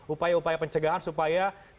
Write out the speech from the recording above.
upaya upaya pencegahan supaya tidak hanya menangis